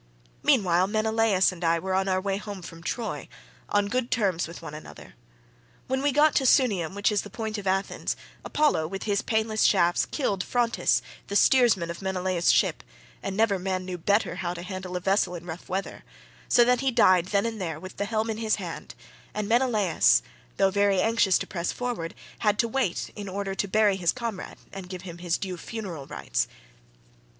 "Meanwhile Menelaus and I were on our way home from Troy, on good terms with one another. When we got to Sunium, which is the point of Athens, Apollo with his painless shafts killed Phrontis the steersman of Menelaus' ship (and never man knew better how to handle a vessel in rough weather) so that he died then and there with the helm in his hand, and Menelaus, though very anxious to press forward, had to wait in order to bury his comrade and give him his due funeral rites.